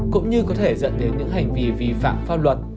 cũng như có thể dẫn đến những hành vi vi phạm pháp luật